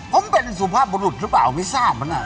ผมเป็นสุภาพบุรุษหรือเปล่าไม่ทราบมัน